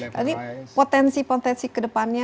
jadi potensi potensi kedepannya